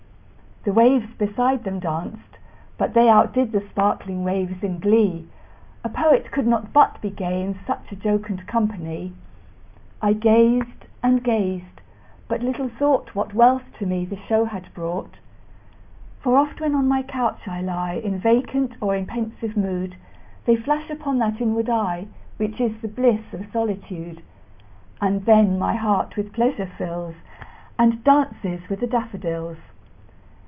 The waves beside them danced; but they Outdid the sparkling waves in glee; A poet could not but be gay, In such a jocund company; I gazed and gazed but little thought What wealth to me the show had brought: For oft, when on my couch I lie In vacant or in pensive mood, They flash upon that inward eye Which is the bliss of solitude; And then my heart with pleasure fills, And dances with the daffodils.